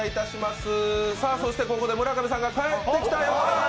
ここで村上さんが帰ってきたようです。